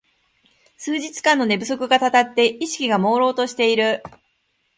数日間の寝不足がたたって意識がもうろうとしている